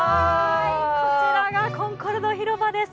こちらコンコルド広場です。